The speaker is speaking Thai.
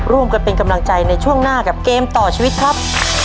ร่วมกันเป็นกำลังใจในช่วงหน้ากับเกมต่อชีวิตครับ